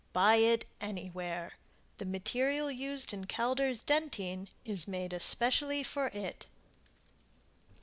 BUY IT ANYWHERE The material used in Calder's Dentine is made especially for it.